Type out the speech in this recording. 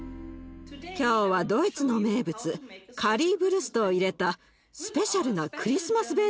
今日はドイツの名物カリーヴルストを入れたスペシャルなクリスマス